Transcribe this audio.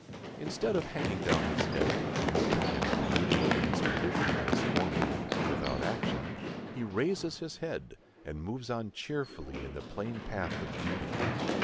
Instead of hanging down his head, moping and brooding over his condition, as formerly, without action, he raises his head, and moves on cheerfully, in the plain path of duty.